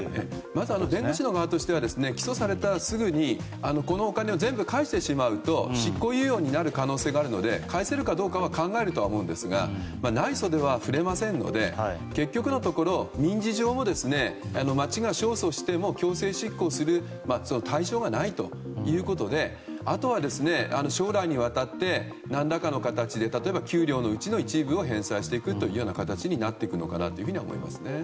まず弁護士側としては起訴されたら、すぐにこのお金を全部返してしまうと執行猶予になる可能性があるので返せるかどうかは考えると思いますがない袖は振れませんので結局のところは、民事上で町が勝訴しても、強制執行する対象がないということであとは、将来にわたって何らかの形で、例えば給料のうちの一部を返済していくような形になっていくのかなとは思いますね。